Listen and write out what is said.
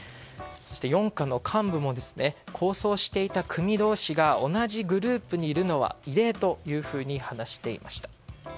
そして４課の幹部も抗争していた組同士が同じグループにいるのは異例と話していました。